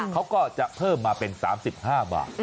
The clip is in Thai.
เขาก็จะเพิ่มมาเป็น๓๕บาท